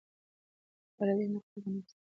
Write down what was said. والدین د قربانۍ مستحق دي.